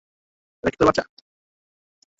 এটা কী তোর বাচ্চা?